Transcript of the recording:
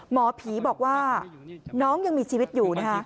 หมอผีบอกว่าน้องยังมีชีวิตอยู่นะคะ